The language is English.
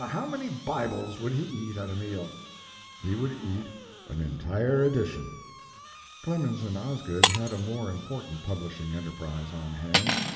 How many Bibles would he eat at a meal?" "He would eat an entire edition." Clemens and Osgood had a more important publishing enterprise on hand.